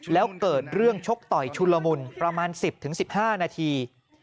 แล้วเกิดเรื่องชกต่อยชุนละมุนประมาณ๑๐๑๕นาที